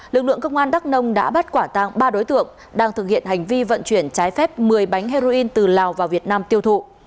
lực lượng công an đắk nông đã bắt quả tang ba đối tượng đang thực hiện hành vi vận chuyển trái phép một mươi bánh heroin từ lào vào việt nam tiêu thụ